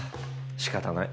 仕方ない。